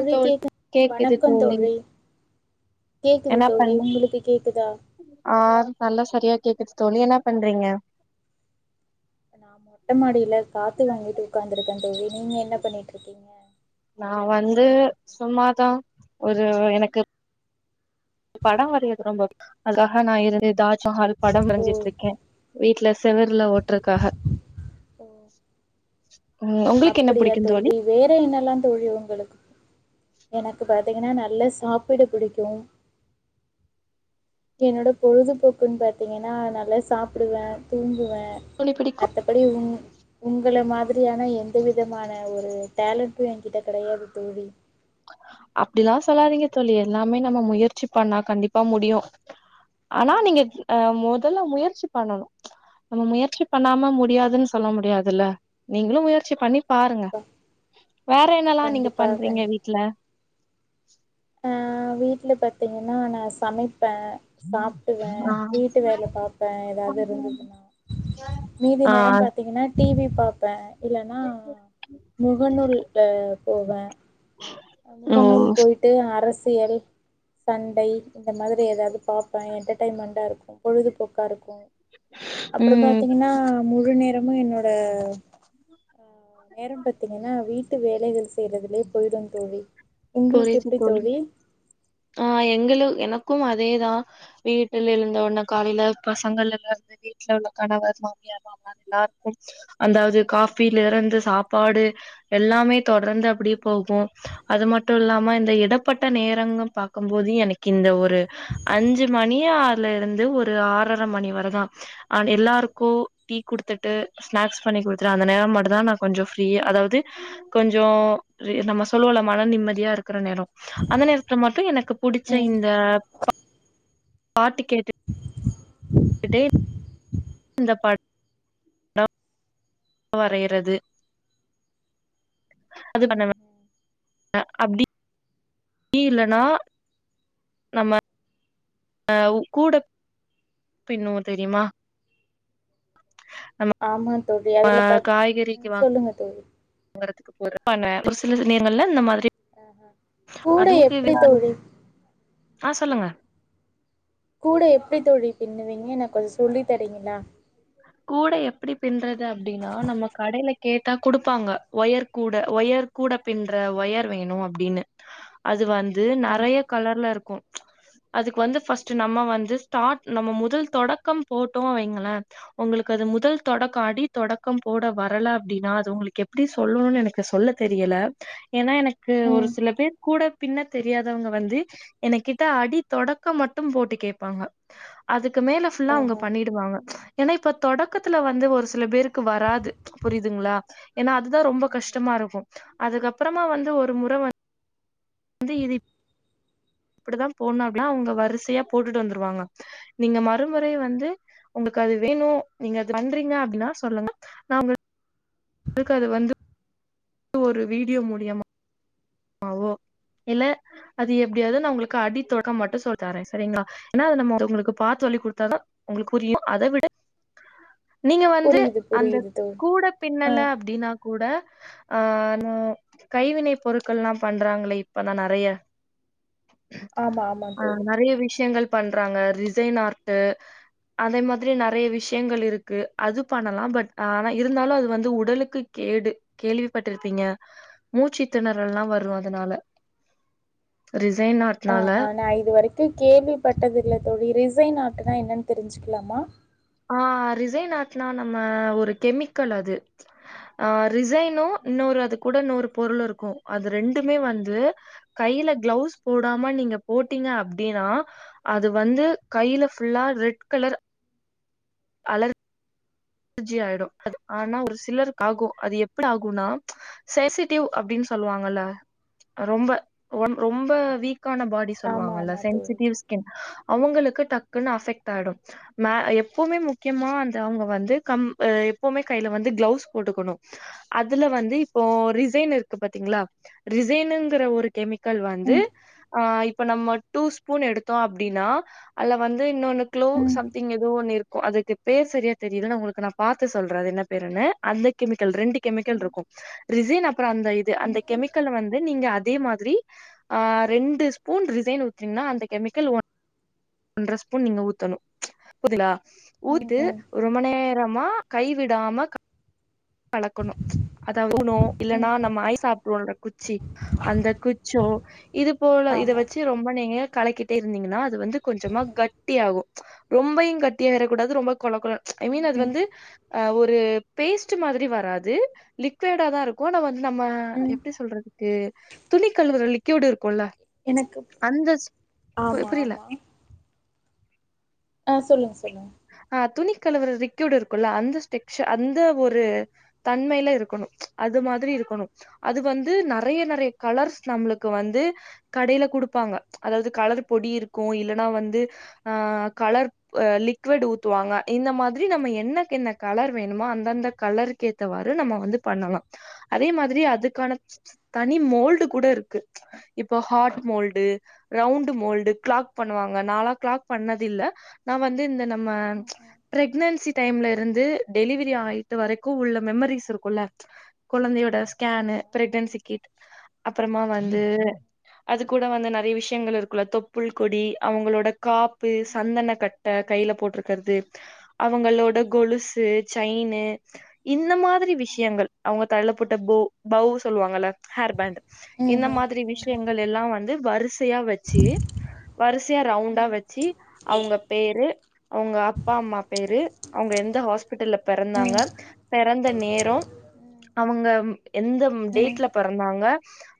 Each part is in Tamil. ம் உளி தோழி கேக்கு கேக்குது வணக்கோ தோழி கேக்குது என்ன பண் தோழி உங்களுக்கு கேக்குதா ஆ நல்லா சரியா கேக்குது தோழி என்ன பண்றிங்க நா மொட்ட மாடில காத்து வாங்கிட்டு உக்காந்துருக்க தோழி நீங்க என்ன பண்ணீட்ருக்கீங்க நா வந்து சும்மாதா ஒரு எனக்கு படோ வரைறது ரொம்ப அதுகாக நா இருந் எதாச்சு ஹல் படோ ஓ வரஞ்சிட்ருக்கே வீட்ல செவ்ர்ல ஒட்றக்காக ஓ ம் உங்களுக் அப்படியா தோழி வேற என்னல்லா தோழி உங்களுக்கு எனக்கு பாத்திங்கன்னா நல்லா சாப்பிட பிடிக்கு என்னோட பொழுதுபோக்குன் பாத்தீங்கன்னா நல்லா சாப்புடுவ தூங்குவ துணி பிடிக்கு த்தபடி ம் உங்கள மாதிரியான எந்த விதமான ஒரு டேலண்ட்டு எங்கிட்ட கெடையாது தோழி அப்டிலா சொல்லாதீங்க தோழி எல்லாமே நம்ம முயற்சி பண்ணா கண்டிப்பா முடியு ஆனா நீங்க அ மொதல்ல முயற்சிப் பண்ணணு நம்ம முயற்சி பண்ணாம முடியாதுன் சொல்ல முடியாதுல்ல நீங்களு முயற் ச்சி பண்ணி பாருங்க கண்டிப்பாக வேற என்னல்லா நீங்க கண்டிப்பாக பண்றீங்க கண்டிப்பாக வீட்ல ஆ வீட்ல பாத்தீங்கன்னா நா சமைப்ப சாப்டுவ ஆ வீட்டு வேல பாப்பே ஏதாது இருந்துதுனா மீதி ஆ நேரம் பாத்தீங்கன்னா டிவி பாப்ப இல்லன்னா முகநூல் அ போவ ஓ முகநூல் போயிட்டு அரசியல் சண்டை இந்த மாதிரி எதாது பாப்ப என்டர்டெயின்மெண்டா இருக்கு பொழுதுபோக்கா இருக்கு அப்புற பாத்தீங்கன்னா முழு நேரமு என்னோட நேரம் பாத்தீங்கன்னா வீட்டு வேலைகள் செய்யறதுலயே போயிடு தோழி உங்களுக்கு எப்டி தோழி ஆ எங்களு எனக்கும் அதேதா வீட்டுல எழந்த உன்னே காலையில பசங்கள் எல்லாருந்து வீட்ல உள்ள கணவர் மாமியார் மாம எல்லாருக்கு அந்தாது காபில இருந்து சாப்பாடு எல்லாமே தொடர்ந்து அப்டி போகு அது மட் ட்டு இல்லாம இந்த இடப்பட்ட நேரங்க பாக்கும்போது எனக்கு இந்த ஒரு அஞ்சு மணி ஆல இருந்து ஒரு ஆறரை மணி வரதா ஆ எல்லாருக்கு டீ குடுத்துட்டு ஸ்நாக்ஸ் பண்ணி கொடுத்துட்டு அந்த நேரம் மட்டுதா நா கொஞ்ச ஃப்ரீ அதாவது கொஞ்சோ நம்ம சொல்லுவோல மன நிம்மதி தியா இருக்குற நேரோ அந்த நேரத்ல மட்டு எனக்கு புடுச்ச ம் இந்த ப பாட்டு கேட்டு ட்டேன் இந்த பாட் வரையறது அது பண்ணவ ம் அ அப்டி நீ இல்லனா நம்ம அ உ கூட பின்னுவோ தெரியுமா நம்ம ஆமா தோழி அதில் பாத் சொல்லுங்க தோழி தூங்கறதுக்கு ஒரு ஒரு சில நேரங்கள்ல இந்த மாதிரி கூட அதுவும் எப்டி [unintelligible] தோழி ஆ சொல்லுங்க கூட எப்டி தோழி பின்னுவீங்க எனக்கு கொஞ்ச சொல்லி தரீங்களா கூட எப்டி பின்றது அப்டின்னா நம்ம கடையில கேட்டா குடுப்பாங்க ஒயர் கூட ஒயர் கூட பின்ற ஒயர் வேணு அப்டின்னு அது வந்து ம் ம் நெறைய கலர்ல இருக்கு அதுக்கு வந்து ஃபர்ஸ்ட் நம்ம வந்து ஸ்டார்ட் நம்ம முதல் தொடக்கம் போட்டோ வைங்களே உங்களுக்கு அது முதல் தொடக்க அடி தொடக்கம் போட வரல அப்டின்னா அது உங்களுக்கு எப்டி சொல்லணுனு எனக்கு சொல்லத் தெரியல ஏன்னா எனக்கு ஒரு ம் சில பேர் கூட பின்ன தெரியாதவங்க வந்து என கிட்ட அடி தொடக்கம் மட்டும் போட்டு கேப்பாங்க அதுக்கு மேல ஃபுல்லா அவுங்க ஆஹா பண்ணிடுவாங்க ஏனா இப்ப தொடக்கத்துல வந்து ஒரு சில பேருக்கு வராது புரியுதுங்களா ஏன்னா அதுதா ரொம்ப கஷ்டமா இருக்கு அதுக்கப்பறமா வந்து ஒரு முற வந் இந்த இது இப்டித்தா போட்னு அப்டின்னு அவங்க வரிசையா போட்டுட்டு வந்துருவாங்க நீங்க மறுமுறை வந்து உங்களுக்கு அது வேணு நீங்க அது பண்றீங்க அப்டின்னா சொல்லுங்க நா உங்க ளுக்கு அது வந்து து ஒரு வீடியோ மூலியமா எல அது எப்டியாது நா உங்களுக்கு அடி தொடக்கம் மட்டு சொல்லிதாறே செரிங்ளா ஏன்னா அது [unintelligible] பாத்து சொல்லி குடுத்தாதா உங்களுக்கு புரியு‌ அத விட நீங்க வந்து புரியுது அந்த புரியுது தோழி கூட ஆ பின்னல அப்டின்னா கூட ஆ கைவினை பொருள் கள்லா பண்றாங்களே இப்பெல்லா நெறைய ஆமா ஆமா ஆ தோழி நெறைய விஷயங்கள் பண்றாங்க ரிசைன் ஆர்ட்டு அதே மாரி நெறைய விஷயங்கள் இருக்கு அது பண்ணலா பட் ஆனா இருந்தாலு அது வந்து உடலுக்கு கேடு கேள்விப்பட்டிருப்பீங்க மூச்சித்திண ரல்லா வரு அதனால ரிசைன் ஆர்ட் ஆஹா நா இது வரைக்கு கேள்விப்பட்டதில்ல தோழி ரிசைன் ஆர்ட்டுனா என்னனு தெரிஞ்சுக்கலாமா ஆ ரிசைன் ஆர்ட்னா நம்ம ஒரு கெமிக்கல் அது ஆ ரிசைனு இன்னொரு அது கூட இன்னொரு பொருள் இருக்கு அது ரெண்டுமே வந்து கைல கிளவுஸ் போடாம நீங்க போட்டீங்க அப்டினா அது வந்து கைல ஃபுல்லா ரெட் கலர் அலர் அலர்ஜி ஆயிடு அது ஆனா ஒரு சிலருக்கு ஆகு அது எப்டி ஆகுனா சேசிட்டிவ் அப்டின்னு சொல்லுவாங்கல்ல ரொம்ப ரொம்ப வீக்கான ஃபாடி ஆமா சொல்வாங்கல்ல ஆமா தோழி சென்ஸ்சிட்டிவ் கின் அவுங்களுக்கு டக்குன்னு அஃபெக்ட் ஆயிடு மே எப்வுமே முக்கியமா அந்த அவுங்க வந்து கம் எப்பவுமே கைல வந்து கிளவுஸ் போட்டுக்கணு அதுல வந்து இப்போ ரிசைன் இருக்கு பாத்தீங்களா ரிசைனுங்கற ஒரு கெமிக் கல் வந்து ம் இப்ப நம்ம டூ ஸ்பூன் எடுத்தோ அப்டின்னா அதல வந்து இன்னொன்னு குளோ ம் சம்திங் ஏதோ ஒன்னு இருக்கு அதுக்கு பேர் செரியா தெரில நா உங்களுக் கு நா பாத்து சொல்றே அது என்ன பேருன்னு அந்த கெமிக்கல் ரெண்டு கெமிக்கல் ம் இருக்கு ரிசைன் அப்றோ அந்த இது ம் அந்த கெமிக்கள்ல வந்து நீங்க அதே மாதிரி ஆ ரெண்டு ஸ்பூன் ரிசைன் ஊத்தினிங்கனா அந்த கெமிக்கல் ஒன் ஒன்ற ஸ்பூன் நீங்க ஊத்தணு [unintelligible] ம் ஊத்து ம் ரொம்ப நேரமா கைவிடாம கலக்கணு அத [unintelligible] இல்லனா ம் ம் நம்ம ஐஸ் சாப்டுவோல குச்சி அந்த குச்சோ இது போல இத ஆமா வெச்சு ரொம்ப நேரோ கலக்கி ட்டே இருந்தீங்கன்னா அது வந்து கொஞ்சமா கட்டியாகு ரொம்பையு கட்டி ஆயிரக்கூடாது ரொம்ப கொல கொல ஐ மீன் அது ம் வந்து ஒரு பேஸ்ட்டு மாதிரி வராது லிக் லிக்விடாதா இருக்கு நம நம்ம ம் எப்டி சொல்றதுக்கு துணி கழுவற லிக்யூடு இருக்குல்ல எனக்கு அந்த பு ஆமா புரில ஆமா ஆ சொல்லுங் சொல்லுங் ஆ துணி கழுவர ரிக்யூடு இருக்குல்ல அந்த ஸ்டெக்சர் அந்த ஒரு தன்மையில இருக்கணு அது மாதிரி இருக்கணு அது வந்து நெறைய நெறைய கலர்ஸ் நம்மளுக்கு வந்து கடையில குடுப்பாங்க அதாவது கலர் பொடி இருக்கு இல்லனா வந்து அ கலர் லிக் க்வேட் ஊத்துவாங்க இந்த மாதிரி நம்ம என்னக்கு என்ன கலர் வேணுமோ அந்தந்த கலருக்கேத் த்தவாரு நம்ம வந்து பண்ணலா அதே மாதிரி அதுக்கானத் தனி மோல்டு கூட இருக்கு இப்போ heart mould round mould clock பண்ணுவாங்க நாலா கிளாக் பண்ணதில்ல் நா வந்து இந்த ந நம்ம ம் ம் ப்ரெக்னன்சி டைம்ல இருந்து டெலிவரி ஆயிட்டு வரைக்கு உள்ள மெமரிஸ் இருக்குல்ல கொஅழந்தையோட ஸ்கேனு ஆமா பிரெக்னன்சி கிட் அப்பறமா வந்து அது கூட வந்து நெறைய விஷியங்கள் இருக்குல தொப்புள் கொடி அவுங்களோட காப் ப்பு ம்ஹும் சந்தன கட்ட கைலப் ட்ருக்கிறது அவுங்களோட கொலுசு ச்சைனு இந்த மா அரி விஷியங்கள் அவுங்க தலையிலீ போட்ட ஃபோ பௌ சொல்வாங்கல்ல ஹேர்பேண்ட் இந்த ம் மாதிரி ம் விஷ் கியங்கள் எல்லா வந்து வரிசையா வச்சி வரிசையா ரவுண்டா வச்சி அவுங்க பேரு அவுங்க அப்பா அம்மா பேரு அவுங்க எந்த ஹாஸ்பிட்டல்ல ம் ம்ஹும் ம்ஹும் பெறந்தாங்க பெறந்த நேரோ அவுங்க ம் எந்த ம் டேட்ல பெறந்தாங்க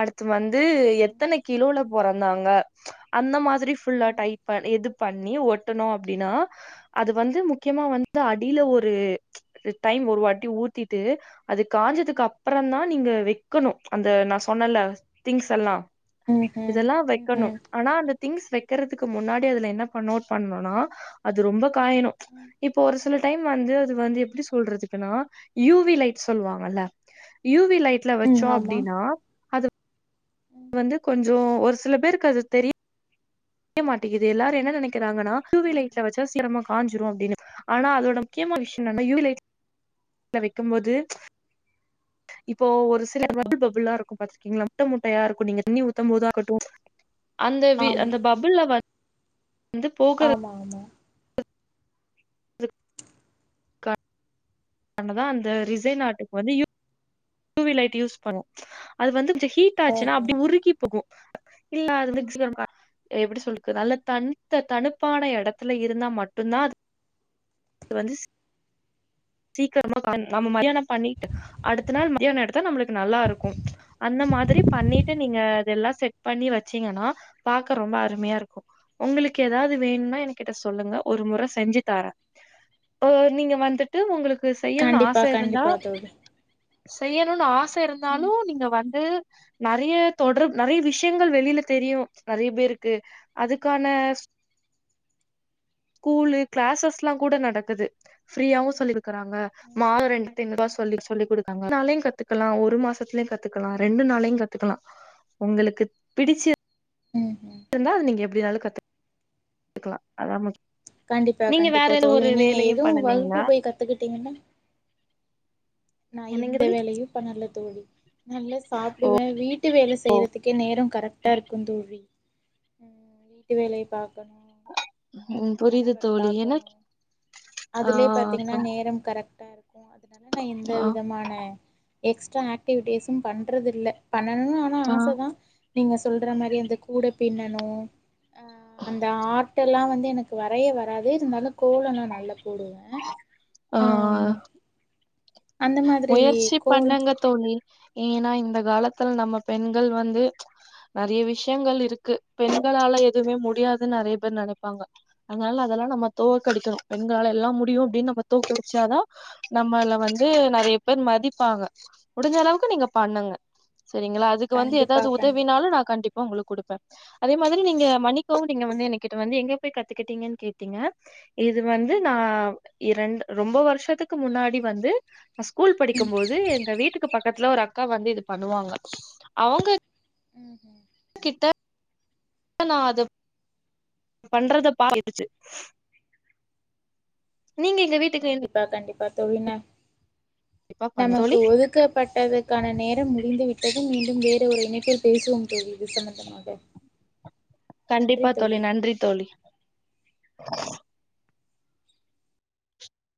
அடுத்து வந்து எத்தன கிலோல பொறந்தாங்க அந்த மாதிரி ம் ஃபுல்லா ம் எடைப் இது பண்ணி ஒட்டணு அப்டின்னா அது வந்து முக்கியமா வந்து அடியில ஒரு இந்த டைம் ஒரு வாட்டி ஊத்திட்டு அது காஞ்சதுக்கு அப்பறந்தா நீங்க வெக்கணு அந்த நா சொன்னல்ல திங்ஸ் எல்லா ம்ஹ்ம் இதெல்லா வெக்கணு ம்ஹ்ம் ஆனா அந்த திங்ஸ் வெக்கறதுக்கு முன்னாடி அதுல என்ன பன் நோட் பன்னொன்னா அது ரொம்ப காயனு ம்ச் இப்போ ஒரு சில டைம் வந்து அது வந்து எப்படி சொல்றதுக்குன்னா யூவி லைட் சொல்லுவாங்கல்ல யூவி லைட்ல ம் வச்சோ ஆமா அப்டினா வந்து கொஞ்சு ஒரு சில பேருக்கு அது தெரிய மாட்டகிது எல்லாரு என்ன நெனைக்கிறாங்கனா யூ வி லைட்ல வச்சா சீக்ரமா காஞ்சிரு அப்டின்னு ஆனா அதோட முக்யமான விஷியோ என்னனா யூ வி லைட் ல வைக்கும்போது ம்ச் இப்போ ஒரு சில பபுள் பபுள்லா இருக்கும் பாத்துருக்கீங்ளா முட்டை முட்டையா இருக்கு நீங்க தண்ணி ஊத்தும் போதாகட்டும் அந்த வி ஆம் அந்த பபுள்ல வ வந்து போ ஆமா ஆமா துக் பண்ணாதா அந்த ரிசைனாட்டுக்கு வந்து U U V light use பண்ணு அது வந்து கொஞ்சு ஹீட்டாச்சுனா ஓஹோ அப்டி உருகிப் போகு இல்ல [unintelligible] எப்டி சொல்லுரது நல்ல தனித்த தனுப்பான எடத்துல இருந்தா மட்டுந்தா அது அது வந்து சீக்கிரமா நம்ம மதியானோ பண்ணிட்டு அடுத்த நாள் மதியானோ எடுத்தா நம்பளுக்கு நல்லா இருக்கு அந்த மாதிரி பண்ணிட்டு நீங்க அதெல்லா செட் பண்ணி வச்சீங்கனா பாக்க ரொம்போ அருமையா இருக்கு உங்களுக்கு ஏதாது வேணுன்னா என் கிட்ட சொல்லுங்க ஒரு முற செஞ்சு தாரே ஆ நீங்க வந்துட்டு உங்களுக்கு செய்யணுனு ஆச கண்டிப்பா இருந்தா கண்டிப்பா தோழி செய்யணுனு ஆச இருந்தாலு ம் நீங்க வந்து நறைய தொடர் நறைய விஷயங்கள் வெளில தெரியு நறைய பேருக்கு அதுக்கான ஸ்கூலு க்ளஸஸ்ல்லா கூட நடக்குது ஃப்ரீயாவு சொல்லிருக்குறாங்க மாதோ ரெண்டு டைம் தா சொல்லி சொல்லி குடுகாங்க ஒரு நாலையு கத்துக்கலா ஒரு மாசத்துலயு கத்துக்கலா ரெண்டு நாளையு கத்துக்கலா உங்களுக்கு பிடிச்ச ம் ம் ருந்தா நீங்க எப்டினாலு கத்து க்லா அதா முக் கண்டிப்பா நீங்க வேற கண்டிப்பா எந்த தோழி ஒரு நீங்க வேலையு எதுவு வகுப்பு பண்ணலீங்களா போய் கத்துக்கிட்டீங்கன்னா நா என்னங்க எந்த தோழி வேலயு பண்ணல தோழி நல்லா சாப்டுவ வீட் ட்டு வேல செய்றதுக்கே நேரம் கரெட்டா இருக்கு தோழி ம் வீட்டு வேலய பாக்ககணு ம் புரியுது கணவர தோழி பாக்கணு எனக் ஆ அதுலே க பாத்தீங்கனா நேரம் கரெக்டா இருக் கு அதனால நா எந்த ஆ விதமான எக்ஸ்ட்டா ஆக்டிவிட்டிஸும் பண்றதுல்ல பண்ணணு ஆனா ஆ ஆச தா நீங்க சொல்ற மேரி இந்த கூட பின்னணு அ அந்த ஆர்ட் எல்லா வந்து எனக் வரயே வராது இருந்தாலு கோலோ நா நல்லா போடுவ ஆ அம் அந்த மாதிரி முயற்சி கோல பண்ணுங்க தோழி ஏனா இந்த காலத்துல் நம்ம பெண்கள் வந்து நெறைய விஷயங்கள் இருக்கு பெண்களால எதுவுமே முடியாதுன் நெறைய பேர் நெனைப்பாங்க அதனால அதெல்லா நம்ம தோக்கடிக்கணு பெண்களால எல்லா முடியு அப்டின்னு நம்ம தோக்கடிச்சாதா நம்மள வந்து நெறைய பேர் மதிப்பாங்க முடிஞ்ச அளவுக்கு நீங்க பண்ணுங்க சரிங்களா அதுக்கு வந்து கண்டிப்பா ஏதாது கண்டிப்பா உதவினாலு நா தோழி கண்டிப்பா உங்களுக்கு குடுப்ப அதே மாதிரி நீங்க மன்ணிக்கோ நீங்க வந்து எங்க கிட்ட வந்து எங்க போய் கத்துக்கிட்டீங்கன்னு கேட்டீங்க இது வந்து ம் நா இரண் ரொம்ப வருஷத்துக்கு முன்னாடி வந்து நா ஸ்கூல் ம் படிக்கும் போது எங்க வீட்டுக்கு பக்கத்துல ஒரு அக்கா வந்து இது பண்ணுவாங்க அவங்க ம் ம் கிட்ட அப்ப நா அது பண்றத பாத் கேட்டுச்சு நீங்க எங்க வீட் கண்டிப்பா கண்டிப்பா தோழி ந கண்டிப்பா பண்ண நமக்கு தோழி. ஒதுக்க பட்டதகான நேரம் முடிந்து விட்டதும் மீண்டும் வேற ஒரு இணைப்பில் பேசுவோம் தோழி போது இது சம்மந்தமாக [inaudible] கண்டிப்பா தோழி நன்றி தோழி